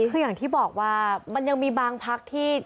คืออย่างที่บอกว่ามันยังมีบางพักที่